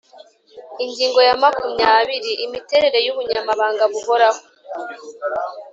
Ingingo ya makumyabiri: Imiterere y’Ubunyamabanga Buhoraho.